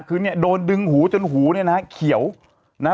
คือเนี่ยโดนดึงหูจนหูเนี่ยนะฮะเขียวนะ